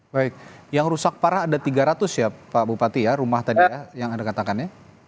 baik yang rusak parah ada tiga ratus ya pak bupati ya rumah tadi ya yang anda katakan ya